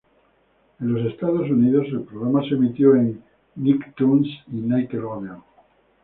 En los Estados Unidos, el programa se emitió en Nicktoons y Nickelodeon.